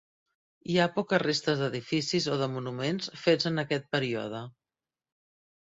Hi ha poques restes d'edificis o de monuments fets en aquest període.